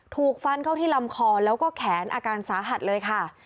ถูกฟันเข้าที่ลำคอแล้วก็แขนอาการสาหัสเลยค่ะ